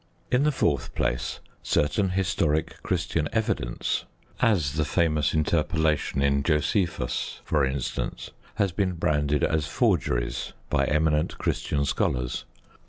In the fourth place, certain historic Christian evidence as the famous interpolation in Josephus, for instance has been branded as forgeries by eminent Christian scholars.